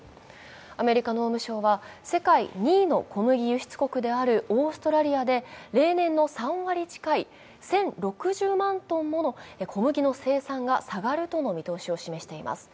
アメリカ農務省は、世界２位の小麦輸出国であるオーストラリアで例年の３割近い、１０６０万トンもの小麦の生産が下がるとの見通しを示しています。